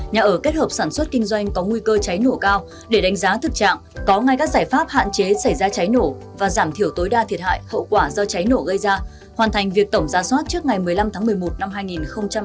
nhà ở kết hợp sản xuất kinh doanh có nguy cơ cháy nổ cao để đánh giá thực trạng có ngay các giải pháp hạn chế xảy ra cháy nổ và giảm thiểu tối đa thiệt hại hậu quả do cháy nổ gây ra hoàn thành việc tổng gia soát trước ngày một mươi năm tháng một mươi một năm hai nghìn hai mươi